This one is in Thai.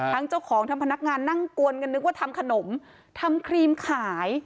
ทั้งเจ้าของทั้งพนักงานนั่งกวนกันนึกว่าทำขนมทำครีมขาย